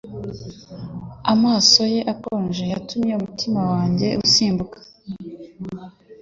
Amaso ye akonje yatumye umutima wanjye usimbuka.